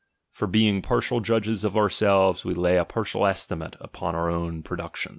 For being partial judges of ourselves, we lay a partial estimate upon our own productions.